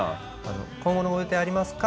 「今後のご予定ありますか？」